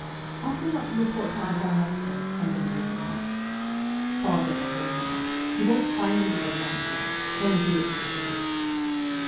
' Ought we not to report to our director ?' somebody would remark. ' Bother the whole lot ! you won't find them with a lantern. Go and do it yourself.'